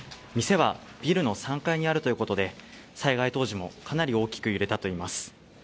店はビルの３階にあるということで災害当時もかなり大きく揺れたといいます。